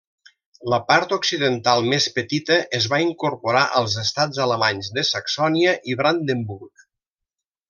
La part occidental més petita es va incorporar als estats alemanys de Saxònia i Brandenburg.